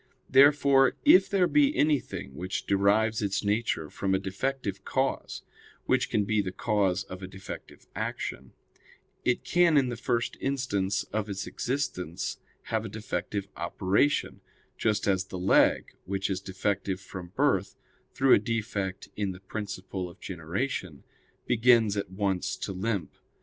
Therefore, if there be anything which derives its nature from a defective cause, which can be the cause of a defective action, it can in the first instant of its existence have a defective operation; just as the leg, which is defective from birth, through a defect in the principle of generation, begins at once to limp.